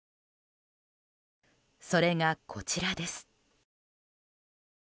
それがこちらです。